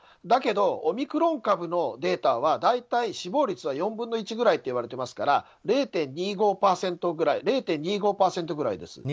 だけどオミクロン株のデータは大体死亡率は４分の１ぐらいといわれてますから０．２５％ぐらいです。